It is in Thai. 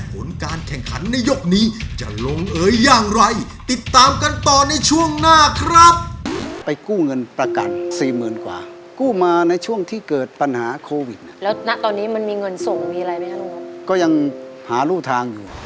หมายก็เขินค่ะมาตอนนี้ไม่เขินแล้วค่ะ